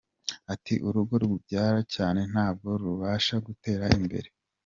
Ati “Urugo rubyara cyane ntabwo rubasha gutera imbere.